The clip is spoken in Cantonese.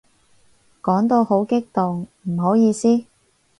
講到好激動，唔好意思